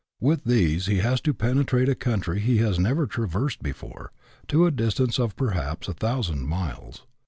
With these he has to penetrate a country he has never traversed before, to a distance of perhaps a thousand miles.